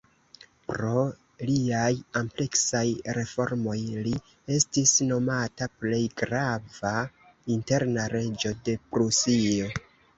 Pro liaj ampleksaj reformoj li estis nomata "plej grava interna reĝo de Prusio".